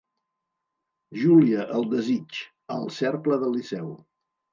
"Júlia, el desig", al Cercle del Liceu.